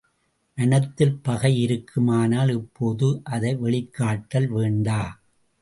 மனத்தில் பகை இருக்குமானால் இப்போது அதை வெளிக்காட்டல் வேண்டா.